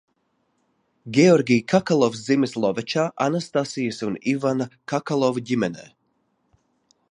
Georgi Kakalovs dzimis Lovečā, Anastasijas un Ivana Kakalovu ģimenē.